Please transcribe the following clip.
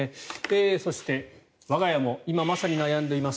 そして、我が家も今まさに悩んでいます